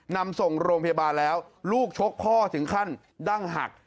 นำส่งโรงพยาบาลแล้วลูกชกพ่อถึงขั้นดั้งหัก